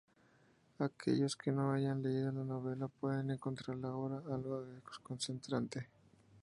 Aquellos que no hayan leído la novela pueden encontrar la obra algo desconcertante.